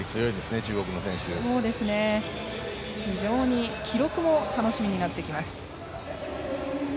非常に記録も楽しみになってきます。